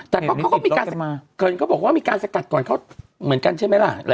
แต่เขาก็มีการเขาบอกว่ามีการสกัดก่อนเขาเหมือนกันใช่ไหมล่ะ